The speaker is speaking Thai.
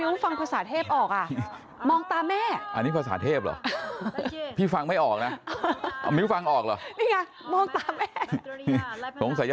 อุ๊ย